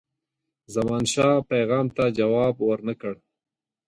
زمانشاه پیغام ته جواب ورنه کړ.